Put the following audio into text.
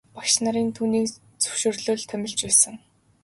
Багш нарыг түүний зөвшөөрлөөр л томилж байсан.